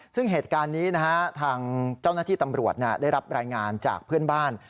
ซึ่งเหตุการณ์นี้นะฮะทางเจ้าหน้าที่ตำรวจได้รับรายงานจากเพื่อนบ้าน